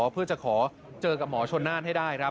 เพื่อจะขอเจอกับหมอชนน่านให้ได้ครับ